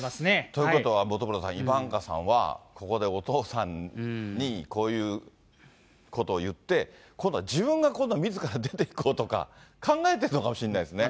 ということは、本村さん、イバンカさんは、ここでお父さんにこういうことを言って、今度は自分が、今度はみずから出ていこうとか、考えてるのかもしれないですね。